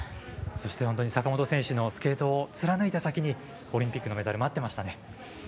そして、本当に坂本選手のスケートを貫いた先にオリンピックのメダル待ってましたね。